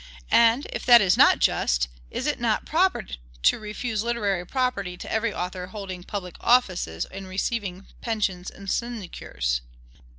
And, if that is not just, is it not proper to refuse literary property to every author holding public offices, and receiving pensions or sinecures?